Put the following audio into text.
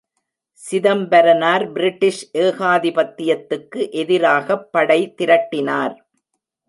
Chidambaranar British ஏகாதிபத்தியத்துக்கு எதிராகப் படை திரட்டினார்.